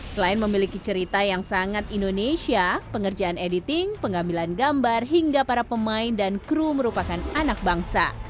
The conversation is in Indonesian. selain memiliki cerita yang sangat indonesia pengerjaan editing pengambilan gambar hingga para pemain dan kru merupakan anak bangsa